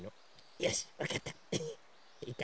よしわかった！